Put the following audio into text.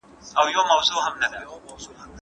د سیمې مسایلو په اړه زده کړه، د پوهې خنډونه د منځه وړي.